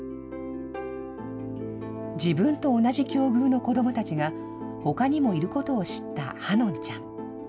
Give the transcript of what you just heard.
自分と同じ境遇の子どもたちがほかにもいることを知った葉音ちゃん。